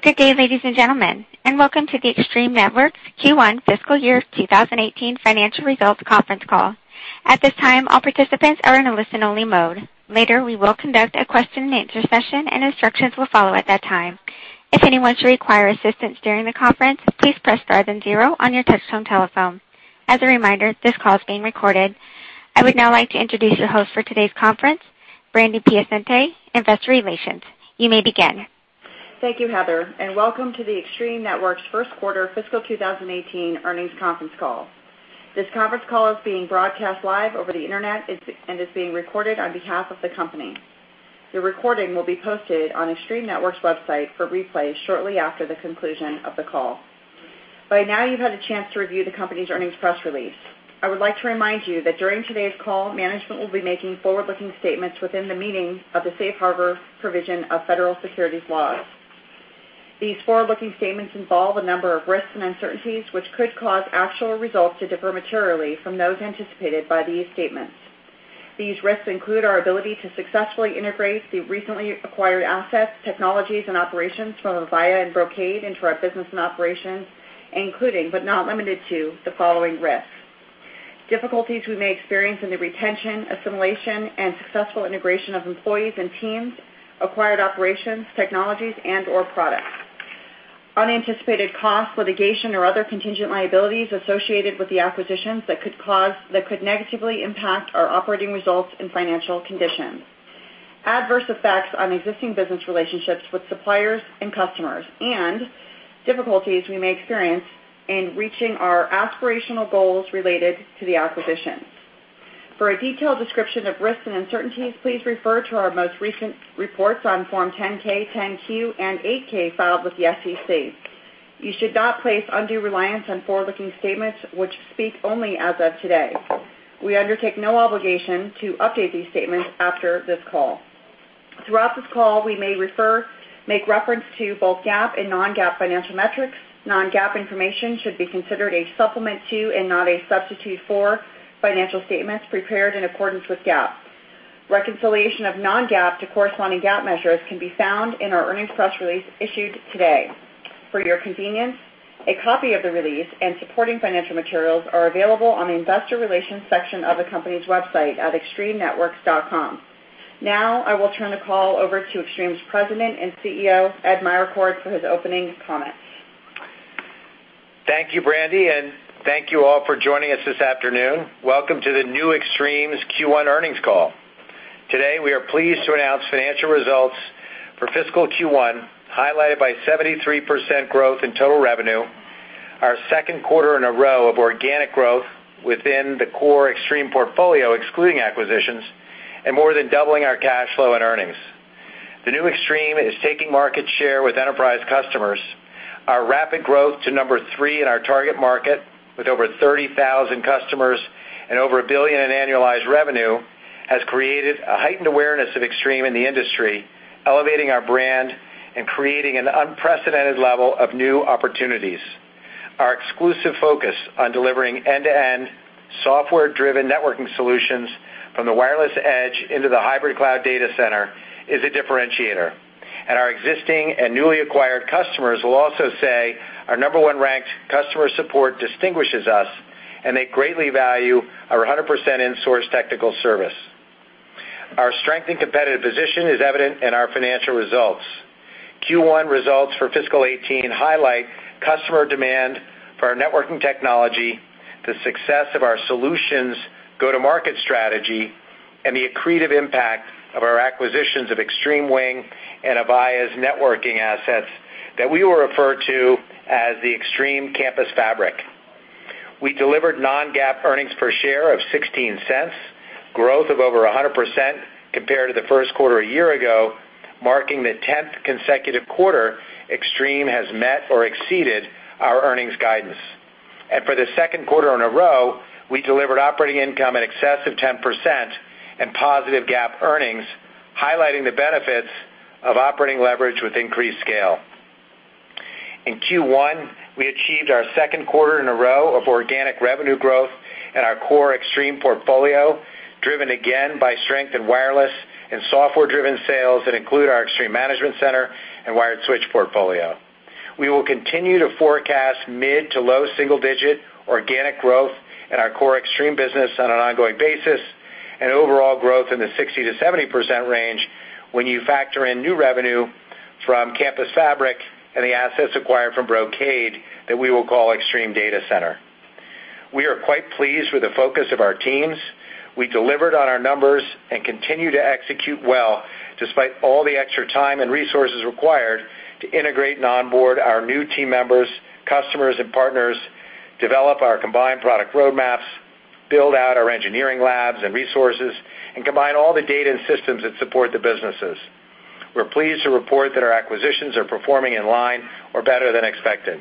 Good day, ladies and gentlemen, and welcome to the Extreme Networks Q1 fiscal year 2018 financial results conference call. At this time, all participants are in a listen-only mode. Later, we will conduct a question and answer session and instructions will follow at that time. If anyone should require assistance during the conference, please press star then zero on your touchtone telephone. As a reminder, this call is being recorded. I would now like to introduce the host for today's conference, Brandi Piacente, investor relations. You may begin. Thank you, Heather. Welcome to the Extreme Networks first quarter fiscal 2018 earnings conference call. This conference call is being broadcast live over the internet and is being recorded on behalf of the company. The recording will be posted on Extreme Networks website for replay shortly after the conclusion of the call. By now, you've had a chance to review the company's earnings press release. I would like to remind you that during today's call, management will be making forward-looking statements within the meaning of the safe harbor provision of federal securities laws. These forward-looking statements involve a number of risks and uncertainties, which could cause actual results to differ materially from those anticipated by these statements. These risks include our ability to successfully integrate the recently acquired assets, technologies, and operations from Avaya and Brocade into our business and operations, including, but not limited to, the following risks. Difficulties we may experience in the retention, assimilation, and successful integration of employees and teams, acquired operations, technologies, and/or products. Unanticipated costs, litigation, or other contingent liabilities associated with the acquisitions that could negatively impact our operating results and financial conditions. Adverse effects on existing business relationships with suppliers and customers, difficulties we may experience in reaching our aspirational goals related to the acquisitions. For a detailed description of risks and uncertainties, please refer to our most recent reports on Form 10-K, 10-Q, and 8-K filed with the SEC. You should not place undue reliance on forward-looking statements which speak only as of today. We undertake no obligation to update these statements after this call. Throughout this call, we may make reference to both GAAP and non-GAAP financial metrics. Non-GAAP information should be considered a supplement to and not a substitute for financial statements prepared in accordance with GAAP. Reconciliation of non-GAAP to corresponding GAAP measures can be found in our earnings press release issued today. For your convenience, a copy of the release and supporting financial materials are available on the investor relations section of the company's website at extremenetworks.com. I will turn the call over to Extreme's President and CEO, Ed Meyercord, for his opening comments. Thank you, Brandi, and thank you all for joining us this afternoon. Welcome to the new Extreme's Q1 earnings call. Today, we are pleased to announce financial results for fiscal Q1, highlighted by 73% growth in total revenue, our second quarter in a row of organic growth within the core Extreme portfolio, excluding acquisitions, and more than doubling our cash flow and earnings. The new Extreme is taking market share with enterprise customers. Our rapid growth to number 3 in our target market, with over 30,000 customers and over $1 billion in annualized revenue, has created a heightened awareness of Extreme in the industry, elevating our brand and creating an unprecedented level of new opportunities. Our exclusive focus on delivering end-to-end software-driven networking solutions from the wireless edge into the hybrid cloud data center is a differentiator. Our existing and newly acquired customers will also say our number 1-ranked customer support distinguishes us, and they greatly value our 100% insourced technical service. Our strength and competitive position is evident in our financial results. Q1 results for fiscal 2018 highlight customer demand for our networking technology, the success of our solutions' go-to-market strategy, and the accretive impact of our acquisitions of Extreme WiNG and Avaya's networking assets that we will refer to as the Extreme Campus Fabric. We delivered non-GAAP earnings per share of $0.16, growth of over 100% compared to the first quarter a year ago, marking the 10th consecutive quarter Extreme has met or exceeded our earnings guidance. For the second quarter in a row, we delivered operating income in excess of 10% and positive GAAP earnings, highlighting the benefits of operating leverage with increased scale. In Q1, we achieved our second quarter in a row of organic revenue growth in our core Extreme portfolio, driven again by strength in wireless and software-driven sales that include our Extreme Management Center and wired switch portfolio. We will continue to forecast mid to low single-digit organic growth in our core Extreme business on an ongoing basis and overall growth in the 60%-70% range when you factor in new revenue from Campus Fabric and the assets acquired from Brocade that we will call Extreme Data Center. We are quite pleased with the focus of our teams. We delivered on our numbers and continue to execute well despite all the extra time and resources required to integrate and onboard our new team members, customers, and partners, develop our combined product roadmaps, build out our engineering labs and resources, and combine all the data and systems that support the businesses. We're pleased to report that our acquisitions are performing in line or better than expected.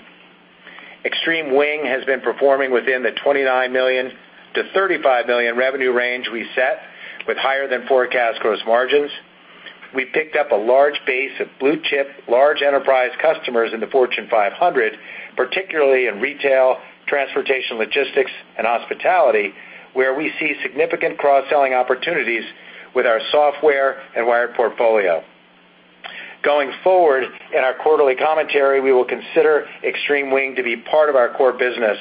Extreme WiNG has been performing within the $29 million-$35 million revenue range we set with higher than forecast gross margins. We picked up a large base of blue-chip, large enterprise customers in the Fortune 500. Particularly in retail, transportation logistics, and hospitality, where we see significant cross-selling opportunities with our software and wired portfolio. Going forward, in our quarterly commentary, we will consider Extreme WiNG to be part of our core business.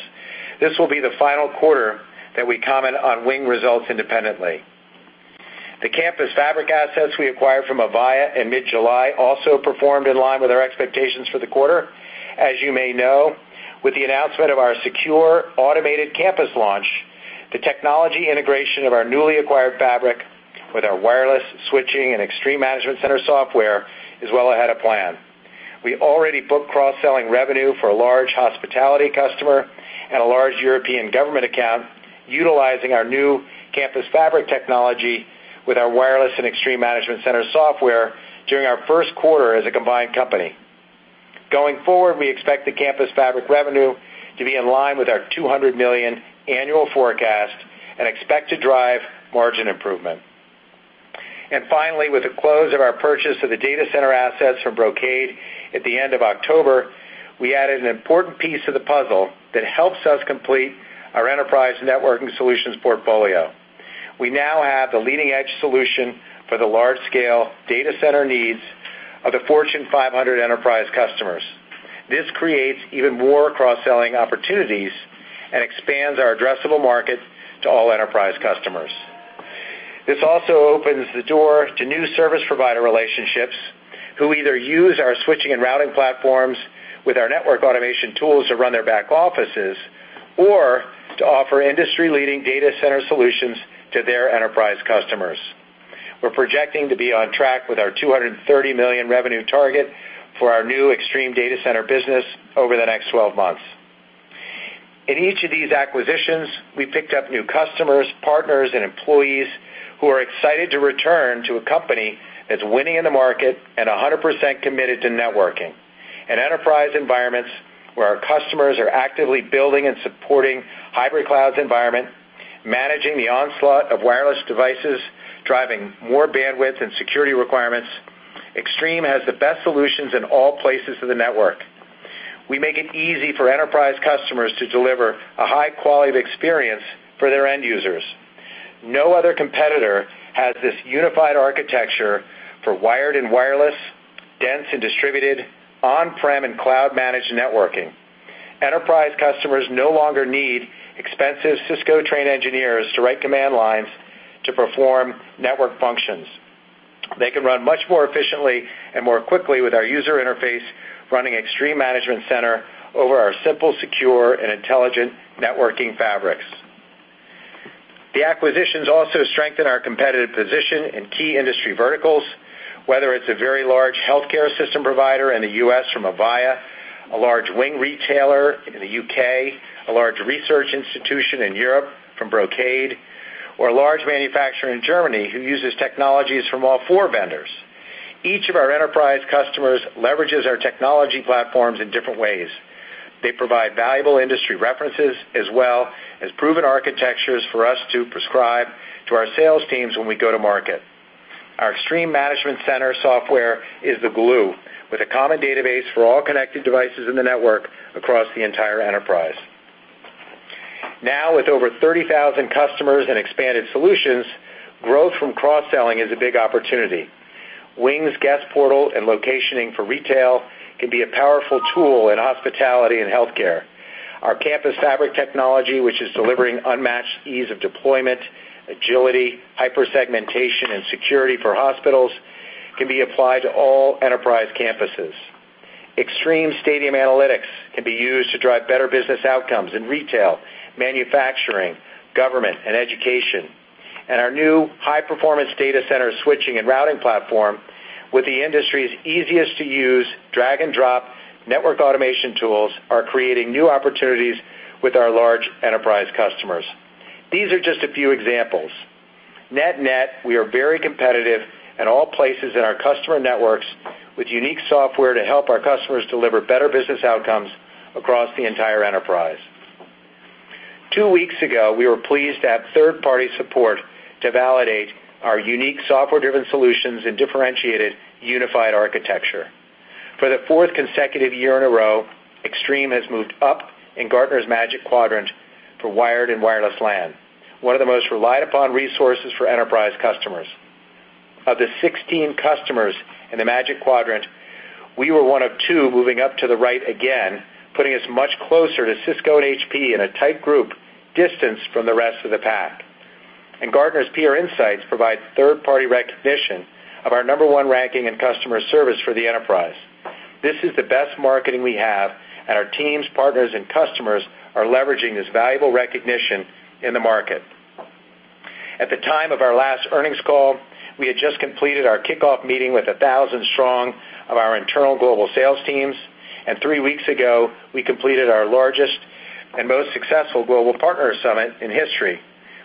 This will be the final quarter that we comment on WiNG results independently. The Campus Fabric assets we acquired from Avaya in mid-July also performed in line with our expectations for the quarter. As you may know, with the announcement of our secure Automated Campus launch, the technology integration of our newly acquired fabric with our wireless switching and Extreme Management Center software is well ahead of plan. We already booked cross-selling revenue for a large hospitality customer and a large European government account utilizing our new Campus Fabric technology with our wireless and Extreme Management Center software during our first quarter as a combined company. Going forward, we expect the Campus Fabric revenue to be in line with our $200 million annual forecast and expect to drive margin improvement. Finally, with the close of our purchase of the data center assets from Brocade at the end of October, we added an important piece of the puzzle that helps us complete our enterprise networking solutions portfolio. We now have the leading-edge solution for the large-scale data center needs of the Fortune 500 enterprise customers. This creates even more cross-selling opportunities and expands our addressable market to all enterprise customers. This also opens the door to new service provider relationships who either use our switching and routing platforms with our network automation tools to run their back offices or to offer industry-leading data center solutions to their enterprise customers. We're projecting to be on track with our $230 million revenue target for our new Extreme Data Center business over the next 12 months. In each of these acquisitions, we picked up new customers, partners, and employees who are excited to return to a company that's winning in the market and 100% committed to networking. In enterprise environments where our customers are actively building and supporting hybrid cloud environment, managing the onslaught of wireless devices, driving more bandwidth and security requirements, Extreme has the best solutions in all places of the network. We make it easy for enterprise customers to deliver a high quality of experience for their end users. No other competitor has this unified architecture for wired and wireless, dense and distributed, on-prem and cloud-managed networking. Enterprise customers no longer need expensive Cisco-trained engineers to write command lines to perform network functions. They can run much more efficiently and more quickly with our user interface running Extreme Management Center over our simple, secure and intelligent networking fabrics. The acquisitions also strengthen our competitive position in key industry verticals, whether it's a very large healthcare system provider in the U.S. from Avaya, a large WiNG retailer in the U.K., a large research institution in Europe from Brocade, or a large manufacturer in Germany who uses technologies from all four vendors. Each of our enterprise customers leverages our technology platforms in different ways. They provide valuable industry references as well as proven architectures for us to prescribe to our sales teams when we go to market. Our Extreme Management Center software is the glue with a common database for all connected devices in the network across the entire enterprise. Now, with over 30,000 customers and expanded solutions, growth from cross-selling is a big opportunity. WiNG's guest portal and locationing for retail can be a powerful tool in hospitality and healthcare. Our Campus Fabric technology, which is delivering unmatched ease of deployment, agility, hyper segmentation, and security for hospitals, can be applied to all enterprise campuses. ExtremeAnalytics can be used to drive better business outcomes in retail, manufacturing, government, and education. Our new high-performance data center switching and routing platform with the industry's easiest-to-use drag and drop network automation tools are creating new opportunities with our large enterprise customers. These are just a few examples. Net net, we are very competitive in all places in our customer networks with unique software to help our customers deliver better business outcomes across the entire enterprise. Two weeks ago, we were pleased to have third-party support to validate our unique software-driven solutions and differentiated unified architecture. For the fourth consecutive year in a row, Extreme has moved up in Gartner's Magic Quadrant for wired and wireless LAN, one of the most relied-upon resources for enterprise customers. Of the 16 customers in the Magic Quadrant, we were one of two moving up to the right again, putting us much closer to Cisco and HP in a tight group, distanced from the rest of the pack. Gartner Peer Insights provide third-party recognition of our number one ranking in customer service for the enterprise. This is the best marketing we have, and our teams, partners, and customers are leveraging this valuable recognition in the market. At the time of our last earnings call, we had just completed our kickoff meeting with 1,000 strong of our internal global sales teams, and three weeks ago, we completed our largest and most successful global partner summit in history,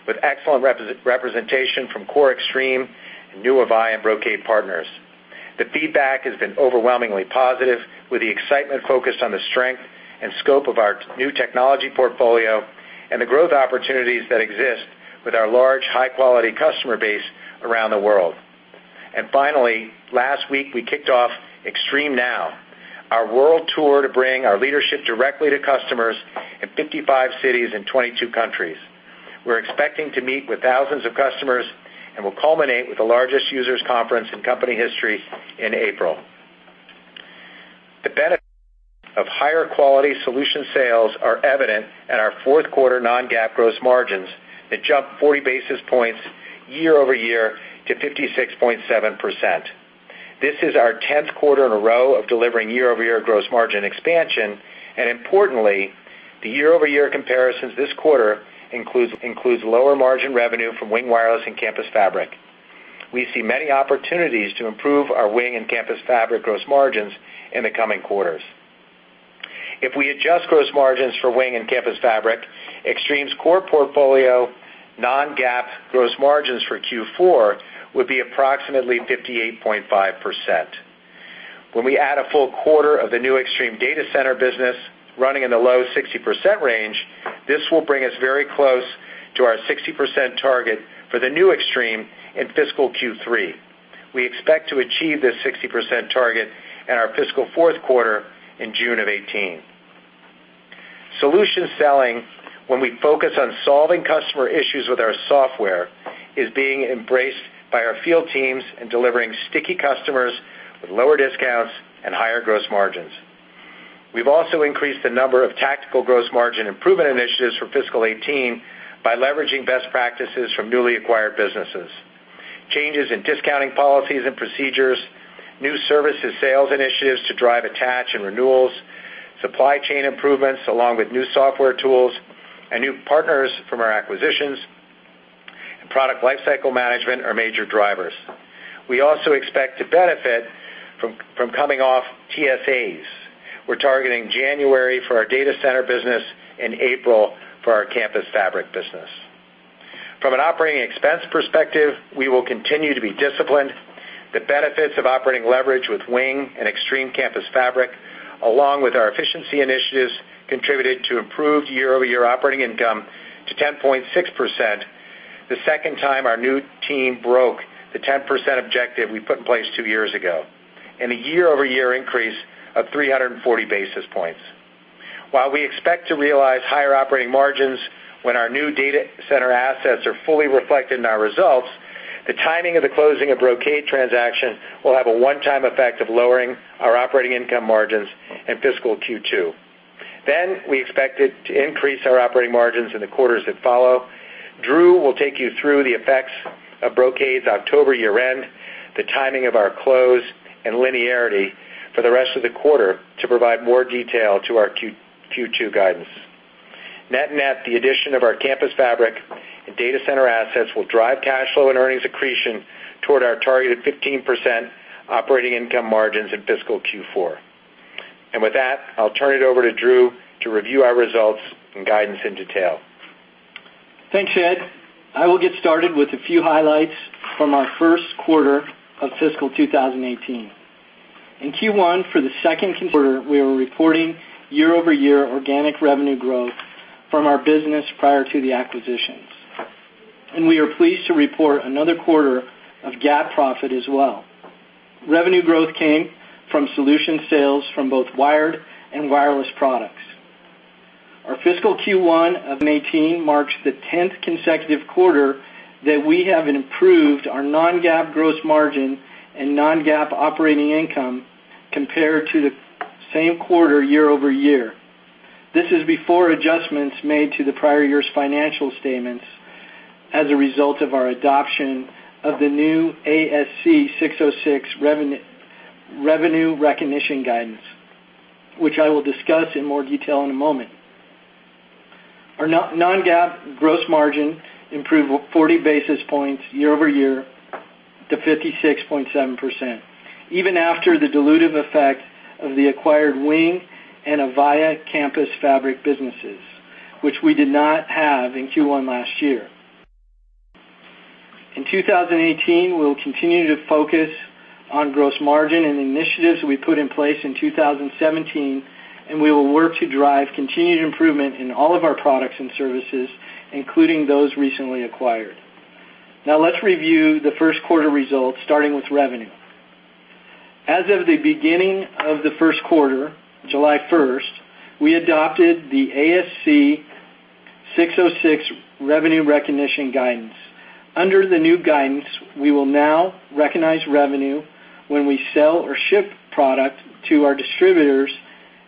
with excellent representation from core Extreme and new Avaya and Brocade partners. The feedback has been overwhelmingly positive, with the excitement focused on the strength and scope of our new technology portfolio and the growth opportunities that exist with our large, high-quality customer base around the world. Finally, last week, we kicked off Extreme Now, our world tour to bring our leadership directly to customers in 55 cities in 22 countries. We're expecting to meet with thousands of customers and will culminate with the largest users conference in company history in April. The benefit of higher quality solution sales are evident in our fourth quarter non-GAAP gross margins that jumped 40 basis points year-over-year to 56.7%. This is our 10th quarter in a row of delivering year-over-year gross margin expansion, and importantly, the year-over-year comparisons this quarter includes lower margin revenue from WiNG Wireless and Campus Fabric. We see many opportunities to improve our WiNG and Campus Fabric gross margins in the coming quarters. If we adjust gross margins for WiNG and Campus Fabric, Extreme's core portfolio non-GAAP gross margins for Q4 would be approximately 58.5%. When we add a full quarter of the new Extreme Data Center business running in the low 60% range, this will bring us very close to our 60% target for the new Extreme in fiscal Q3. We expect to achieve this 60% target in our fiscal fourth quarter in June of 2018. Solution selling, when we focus on solving customer issues with our software, is being embraced by our field teams in delivering sticky customers with lower discounts and higher gross margins. We have also increased the number of tactical gross margin improvement initiatives for fiscal 2018 by leveraging best practices from newly acquired businesses. Changes in discounting policies and procedures, new services sales initiatives to drive attach and renewals, supply chain improvements along with new software tools and new partners from our acquisitions, and product lifecycle management are major drivers. We also expect to benefit from coming off TSAs. We are targeting January for our data center business and April for our Campus Fabric business. From an operating expense perspective, we will continue to be disciplined. The benefits of operating leverage with WiNG and Extreme Campus Fabric, along with our efficiency initiatives, contributed to improved year-over-year operating income to 10.6%, the second time our new team broke the 10% objective we put in place two years ago, and a year-over-year increase of 340 basis points. While we expect to realize higher operating margins when our new data center assets are fully reflected in our results, the timing of the closing of Brocade transaction will have a one-time effect of lowering our operating income margins in fiscal Q2. We expect it to increase our operating margins in the quarters that follow. Drew will take you through the effects of Brocade's October year-end, the timing of our close, and linearity for the rest of the quarter to provide more detail to our Q2 guidance. Net-net, the addition of our Campus Fabric and data center assets will drive cash flow and earnings accretion toward our targeted 15% operating income margins in fiscal Q4. With that, I will turn it over to Drew to review our results and guidance in detail. Thanks, Ed. I will get started with a few highlights from our first quarter of fiscal 2018. In Q1, for the second quarter, we are reporting year-over-year organic revenue growth from our business prior to the acquisitions, and we are pleased to report another quarter of GAAP profit as well. Revenue growth came from solution sales from both wired and wireless products. Our fiscal Q1 of 2018 marks the 10th consecutive quarter that we have improved our non-GAAP gross margin and non-GAAP operating income compared to the same quarter year-over-year. This is before adjustments made to the prior year's financial statements as a result of our adoption of the new ASC 606 revenue recognition guidance, which I will discuss in more detail in a moment. Our non-GAAP gross margin improved 40 basis points year-over-year to 56.7%, even after the dilutive effect of the acquired WiNG and Avaya Campus Fabric businesses, which we did not have in Q1 last year. In 2018, we will continue to focus on gross margin and initiatives we put in place in 2017, and we will work to drive continued improvement in all of our products and services, including those recently acquired. Now let's review the first quarter results, starting with revenue. As of the beginning of the first quarter, July 1st, we adopted the ASC 606 revenue recognition guidance. Under the new guidance, we will now recognize revenue when we sell or ship product to our distributors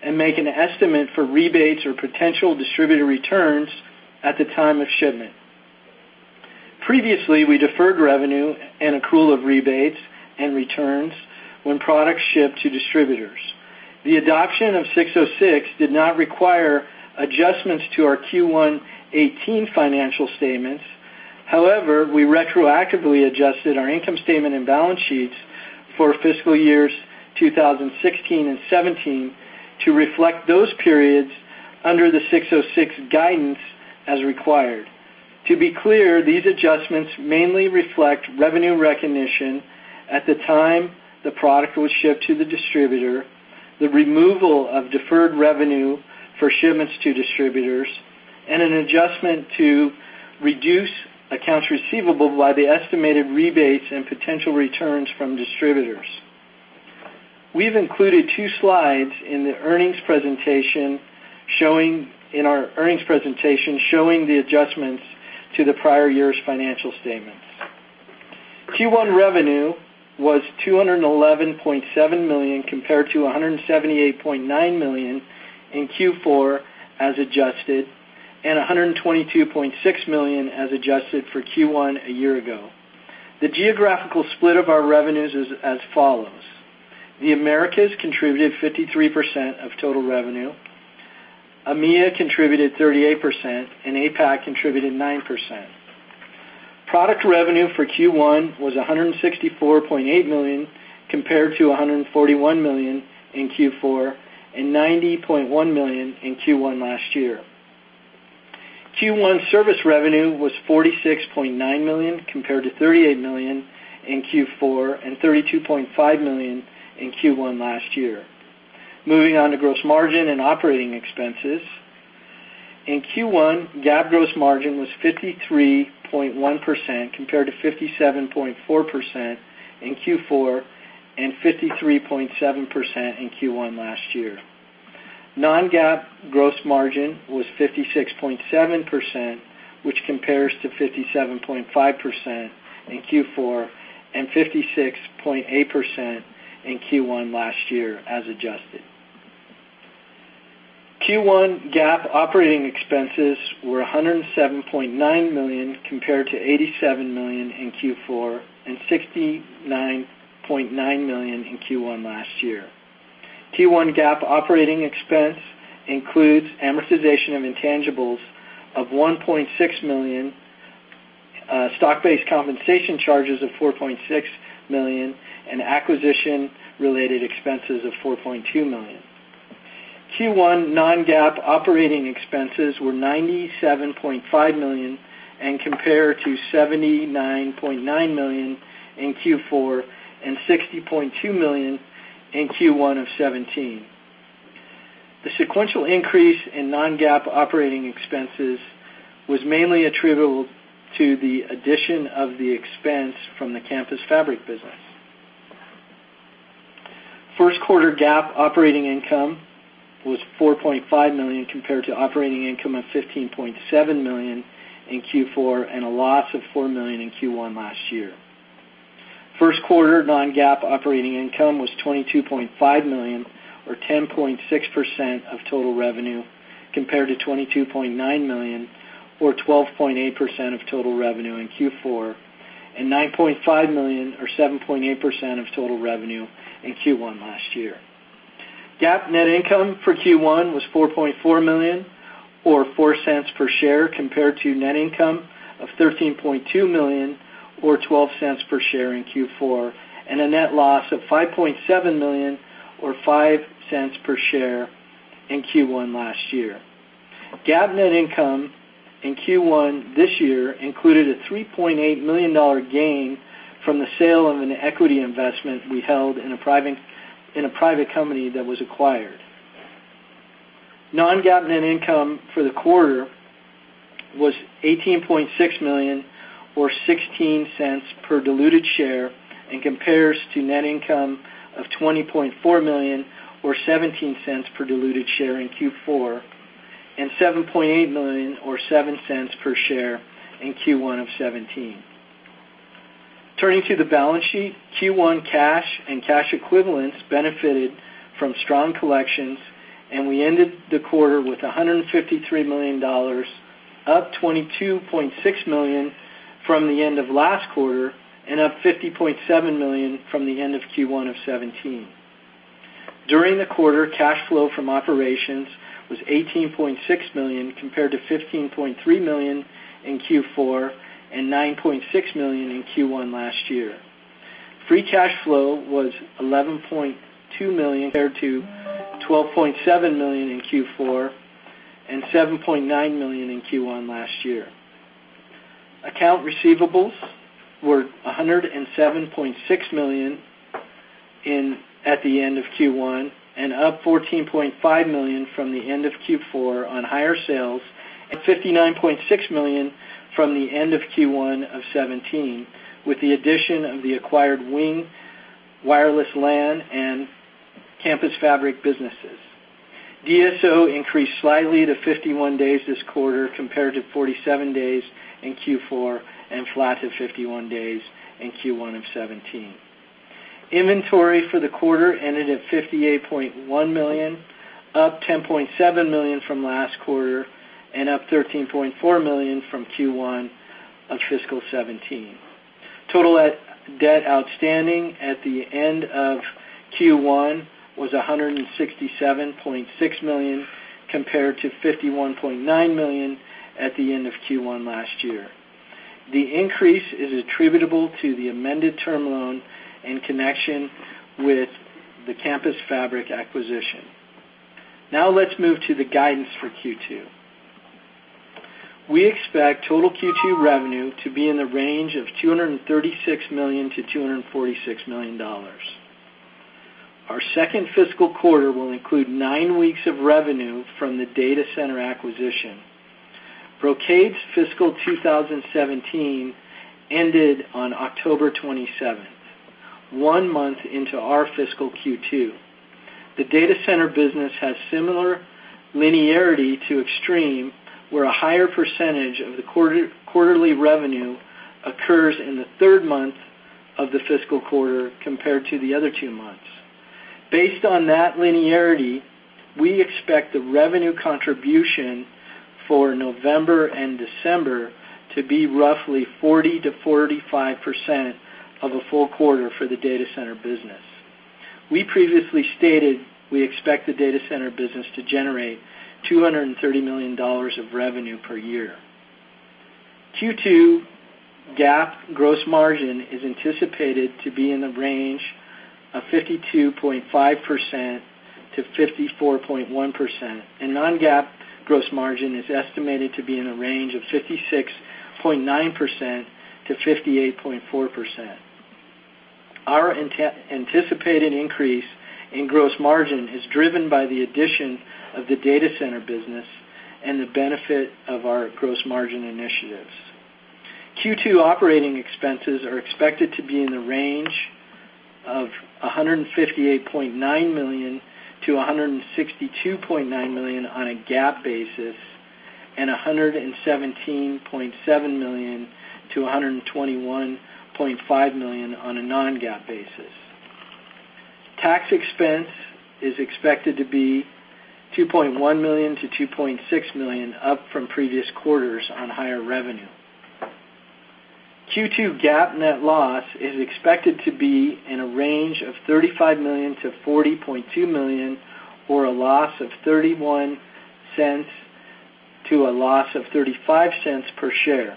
and make an estimate for rebates or potential distributor returns at the time of shipment. Previously, we deferred revenue and accrual of rebates and returns when products shipped to distributors. The adoption of 606 did not require adjustments to our Q1 2018 financial statements. However, we retroactively adjusted our income statement and balance sheets for fiscal years 2016 and 2017 to reflect those periods under the 606 guidance as required. To be clear, these adjustments mainly reflect revenue recognition at the time the product was shipped to the distributor. The removal of deferred revenue for shipments to distributors and an adjustment to reduce accounts receivable by the estimated rebates and potential returns from distributors. We've included two slides in our earnings presentation, showing the adjustments to the prior year's financial statements. Q1 revenue was $211.7 million compared to $178.9 million in Q4 as adjusted, and $122.6 million as adjusted for Q1 a year ago. The geographical split of our revenues is as follows: The Americas contributed 53% of total revenue, EMEA contributed 38%, and APAC contributed 9%. Product revenue for Q1 was $164.8 million, compared to $141 million in Q4 and $90.1 million in Q1 last year. Q1 service revenue was $46.9 million, compared to $38 million in Q4 and $32.5 million in Q1 last year. Moving on to gross margin and operating expenses. In Q1, GAAP gross margin was 53.1%, compared to 57.4% in Q4 and 53.7% in Q1 last year. Non-GAAP gross margin was 56.7%, which compares to 57.5% in Q4 and 56.8% in Q1 last year as adjusted. Q1 GAAP operating expenses were $107.9 million, compared to $87 million in Q4 and $69.9 million in Q1 last year. Q1 GAAP operating expense includes amortization of intangibles of $1.6 million, stock-based compensation charges of $4.6 million, and acquisition-related expenses of $4.2 million. Q1 non-GAAP operating expenses were $97.5 million and compared to $79.9 million in Q4 and $60.2 million in Q1 of 2017. The sequential increase in non-GAAP operating expenses was mainly attributable to the addition of the expense from the Campus Fabric business. First quarter GAAP operating income was $4.5 million, compared to operating income of $15.7 million in Q4 and a loss of $4 million in Q1 last year. First quarter non-GAAP operating income was $22.5 million or 10.6% of total revenue, compared to $22.9 million or 12.8% of total revenue in Q4, and $9.5 million or 7.8% of total revenue in Q1 last year. GAAP net income for Q1 was $4.4 million or $0.04 per share compared to net income of $13.2 million or $0.12 per share in Q4, and a net loss of $5.7 million or $0.05 per share in Q1 last year. GAAP net income in Q1 this year included a $3.8 million gain from the sale of an equity investment we held in a private company that was acquired. Non-GAAP net income for the quarter was $18.6 million or $0.16 per diluted share and compares to net income of $20.4 million or $0.17 per diluted share in Q4, and $7.8 million or $0.07 per share in Q1 of 2017. Turning to the balance sheet, Q1 cash and cash equivalents benefited from strong collections, and we ended the quarter with $153 million, up $22.6 million from the end of last quarter and up $50.7 million from the end of Q1 of 2017. During the quarter, cash flow from operations was $18.6 million, compared to $15.3 million in Q4 and $9.6 million in Q1 last year. Free cash flow was $11.2 million compared to $12.7 million in Q4 and $7.9 million in Q1 last year. Accounts receivable were $107.6 million at the end of Q1 and up $14.5 million from the end of Q4 on higher sales and $59.6 million from the end of Q1 of 2017, with the addition of the acquired WiNG Wireless LAN and Campus Fabric businesses. DSO increased slightly to 51 days this quarter compared to 47 days in Q4 and flat at 51 days in Q1 of 2017. Inventory for the quarter ended at $58.1 million, up $10.7 million from last quarter and up $13.4 million from Q1 of fiscal 2017. Total debt outstanding at the end of Q1 was $167.6 million, compared to $51.9 million at the end of Q1 last year. The increase is attributable to the amended term loan in connection with the Campus Fabric acquisition. Let's move to the guidance for Q2. We expect total Q2 revenue to be in the range of $236 million to $246 million. Our second fiscal quarter will include nine weeks of revenue from the data center acquisition. Brocade's fiscal 2017 ended on October 27th, one month into our fiscal Q2. The data center business has similar linearity to Extreme, where a higher percentage of the quarterly revenue occurs in the third month of the fiscal quarter compared to the other two months. Based on that linearity, we expect the revenue contribution for November and December to be roughly 40%-45% of a full quarter for the data center business. We previously stated we expect the data center business to generate $230 million of revenue per year. Q2 GAAP gross margin is anticipated to be in the range of 52.5%-54.1%, and non-GAAP gross margin is estimated to be in the range of 56.9%-58.4%. Our anticipated increase in gross margin is driven by the addition of the data center business and the benefit of our gross margin initiatives. Q2 operating expenses are expected to be in the range of $158.9 million-$162.9 million on a GAAP basis, and $117.7 million-$121.5 million on a non-GAAP basis. Tax expense is expected to be $2.1 million-$2.6 million, up from previous quarters on higher revenue. Q2 GAAP net loss is expected to be in a range of $35 million-$40.2 million, or a loss of $0.31 to a loss of $0.35 per share.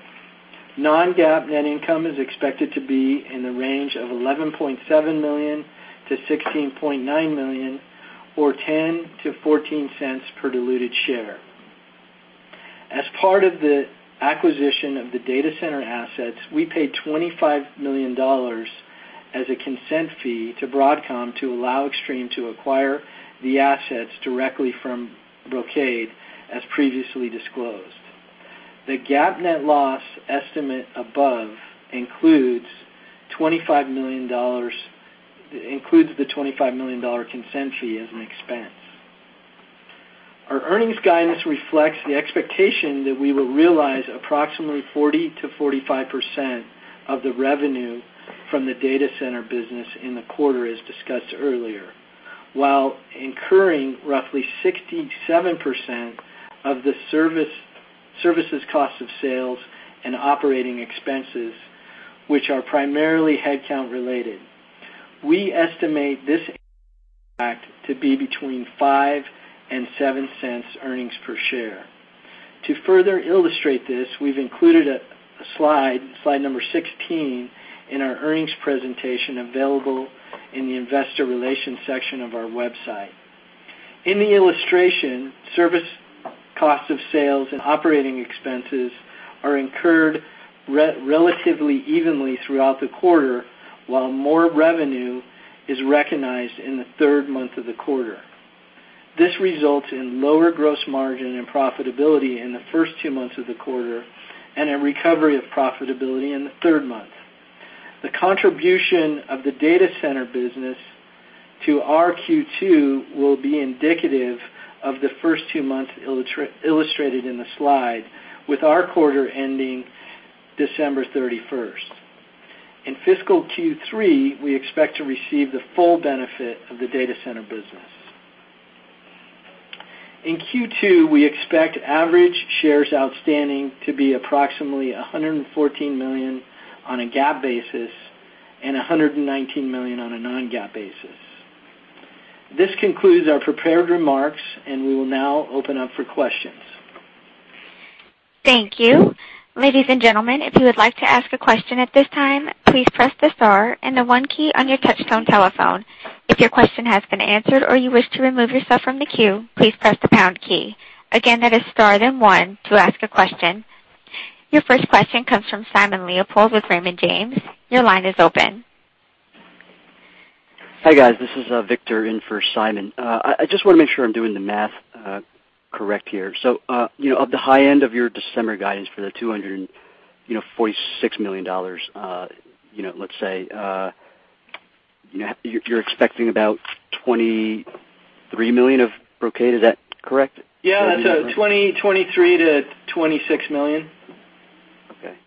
Non-GAAP net income is expected to be in the range of $11.7 million-$16.9 million, or $0.10-$0.14 per diluted share. As part of the acquisition of the data center assets, we paid $25 million as a consent fee to Broadcom to allow Extreme to acquire the assets directly from Brocade, as previously disclosed. The GAAP net loss estimate above includes the $25 million consent fee as an expense. Our earnings guidance reflects the expectation that we will realize approximately 40%-45% of the revenue from the data center business in the quarter, as discussed earlier, while incurring roughly 67% of the services cost of sales and operating expenses, which are primarily headcount related. We estimate this impact to be between $0.05 and $0.07 earnings per share. To further illustrate this, we've included a slide number 16, in our earnings presentation available in the investor relations section of our website. In the illustration, service cost of sales and operating expenses are incurred relatively evenly throughout the quarter, while more revenue is recognized in the third month of the quarter. This results in lower gross margin and profitability in the first two months of the quarter, and a recovery of profitability in the third month. The contribution of the data center business to our Q2 will be indicative of the first two months illustrated in the slide, with our quarter ending December 31st. In fiscal Q3, we expect to receive the full benefit of the data center business. In Q2, we expect average shares outstanding to be approximately 114 million on a GAAP basis and 119 million on a non-GAAP basis. This concludes our prepared remarks. We will now open up for questions. Thank you. Ladies and gentlemen, if you would like to ask a question at this time, please press the star and the one key on your touch-tone telephone. If your question has been answered or you wish to remove yourself from the queue, please press the pound key. Again, that is star then one to ask a question. Your first question comes from Simon Leopold with Raymond James. Your line is open. Hi, guys. This is Victor in for Simon. I just want to make sure I'm doing the math correct here. Of the high end of your December guidance for the $246 million, let's say, you're expecting about $23 million of Brocade, is that correct? Yeah. $23 million-$26 million. Okay.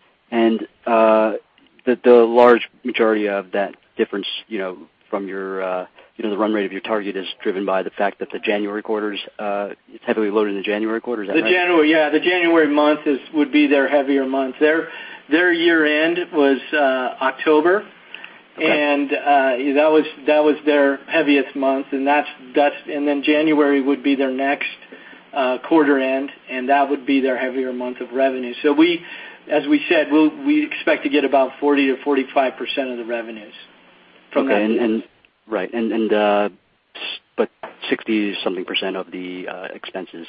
The large majority of that difference from the run rate of your target is driven by the fact that the January quarter is heavily loaded in the January quarter, is that right? Yeah. The January month would be their heavier month. Their year end was October. Okay. That was their heaviest month, then January would be their next quarter end, and that would be their heavier month of revenue. As we said, we expect to get about 40%-45% of the revenues from that. Okay. Right. 60-something percent of the expenses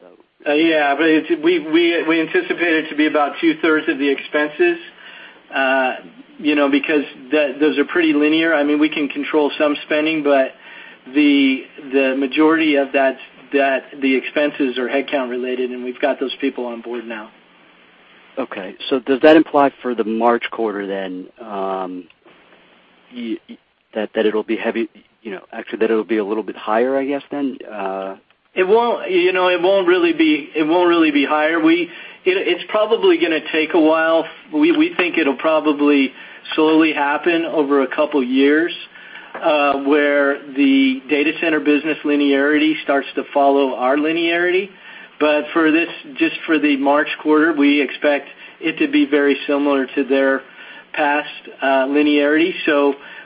though. Yeah. We anticipate it to be about two-thirds of the expenses, because those are pretty linear. We can control some spending, but the majority of the expenses are headcount related, and we've got those people on board now. Okay. Does that imply for the March quarter then, that it'll be a little bit higher, I guess, then? It won't really be higher. It's probably going to take a while. We think it'll probably slowly happen over a couple of years, where the data center business linearity starts to follow our linearity. Just for the March quarter, we expect it to be very similar to their past linearity.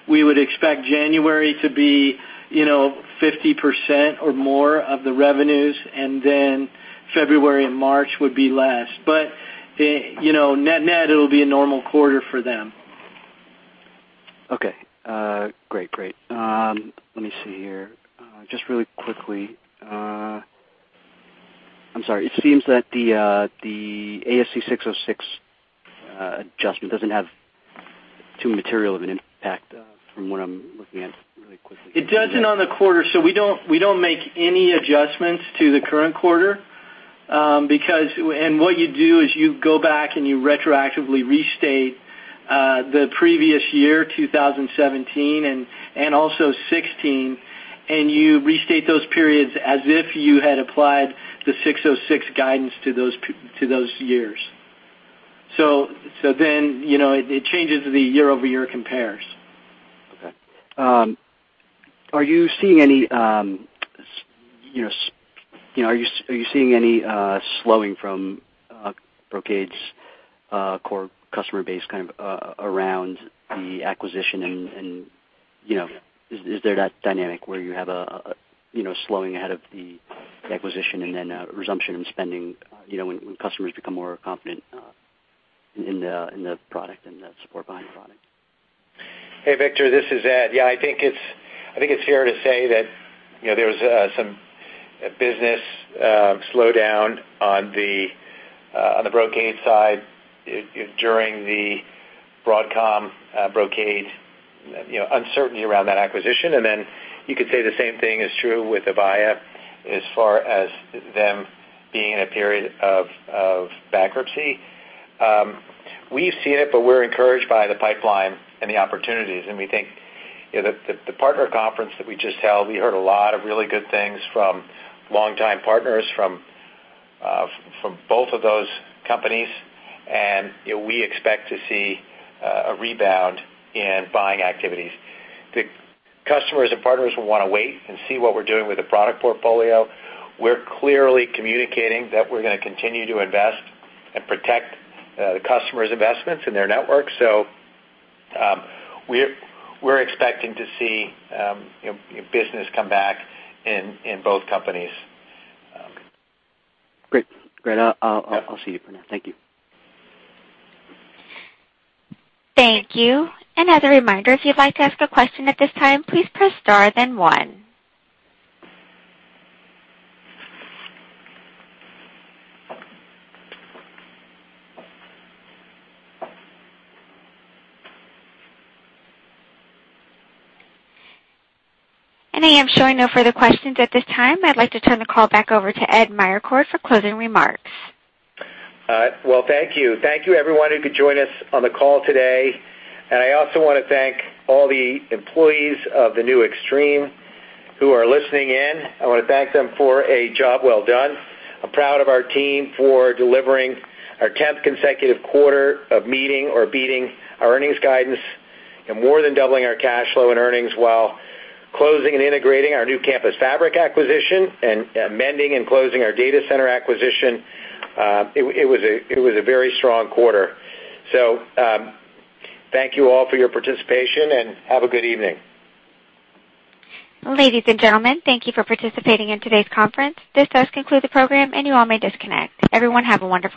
We would expect January to be 50% or more of the revenues, and then February and March would be less. Net net, it'll be a normal quarter for them. Okay. Great. Let me see here. Just really quickly. I'm sorry. It seems that the ASC 606 adjustment doesn't have too material of an impact from what I'm looking at really quickly. It doesn't on the quarter, so we don't make any adjustments to the current quarter. What you do is you go back and you retroactively restate the previous year, 2017, and also 2016, and you restate those periods as if you had applied the 606 guidance to those years. It changes the year-over-year compares. Okay. Are you seeing any slowing from Brocade's core customer base around the acquisition, and is there that dynamic where you have a slowing ahead of the acquisition and then a resumption in spending when customers become more confident in the product and the support behind the product? Hey, Victor, this is Ed. Yeah, I think it's fair to say that there was some business slowdown on the Brocade side during the Broadcom-Brocade uncertainty around that acquisition. You could say the same thing is true with Avaya as far as them being in a period of bankruptcy. We've seen it, but we're encouraged by the pipeline and the opportunities. We think the partner conference that we just held, we heard a lot of really good things from long-time partners from both of those companies, and we expect to see a rebound in buying activities. The customers and partners will want to wait and see what we're doing with the product portfolio. We're clearly communicating that we're going to continue to invest and protect the customers' investments and their networks. We're expecting to see business come back in both companies. Great. I'll see you for now. Thank you. Thank you. As a reminder, if you'd like to ask a question at this time, please press star then one. I am showing no further questions at this time. I'd like to turn the call back over to Ed Meyercord for closing remarks. Well, thank you. Thank you, everyone who could join us on the call today. I also want to thank all the employees of the new Extreme who are listening in. I want to thank them for a job well done. I'm proud of our team for delivering our tenth consecutive quarter of meeting or beating our earnings guidance and more than doubling our cash flow and earnings while closing and integrating our new Campus Fabric acquisition and amending and closing our data center acquisition. It was a very strong quarter. Thank you all for your participation. Have a good evening. Ladies and gentlemen, thank you for participating in today's conference. This does conclude the program, and you all may disconnect. Everyone have a wonderful night.